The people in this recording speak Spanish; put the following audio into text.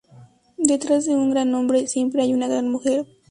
Detrás de un gran hombre, siempre hay una gran mujer